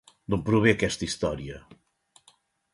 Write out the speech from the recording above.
D'on prové aquesta història?